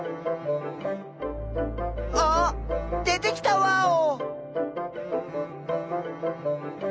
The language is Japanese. あ出てきたワオ！